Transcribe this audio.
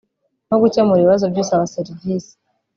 no gukemura ibibazo by’usaba serivisi